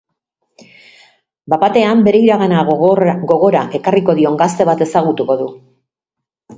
Bat-batean bere iragana gogora ekarriko dion gazte bat ezagutuko du.